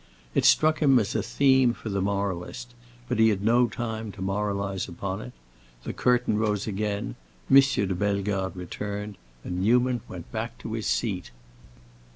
It struck him as a theme for the moralist; but he had no time to moralize upon it. The curtain rose again; M. de Bellegarde returned, and Newman went back to his seat.